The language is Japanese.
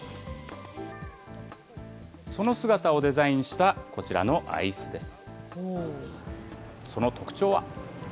その姿をデザインした、こちらのアイスです。